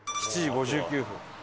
７時５９分。